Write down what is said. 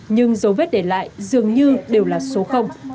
nhưng dấu vết để lại dường như đều là số